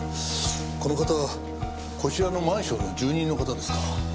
この方こちらのマンションの住人の方ですか？